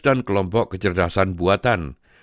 dan kelompok kecerdasan buatan